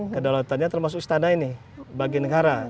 kedaulatannya termasuk istana ini bagi negara